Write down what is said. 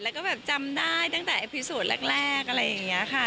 แล้วก็แบบจำได้ตั้งแต่พิสูจน์แรกอะไรอย่างนี้ค่ะ